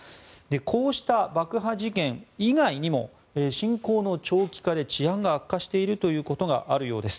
こうした爆破事件以外にも侵攻の長期化で治安が悪化しているということがあるようです。